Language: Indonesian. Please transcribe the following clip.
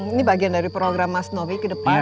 ini bagian dari program mas novi ke depan